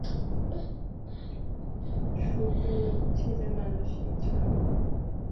শুটু, ছেলেমানুষি ছাড়ো।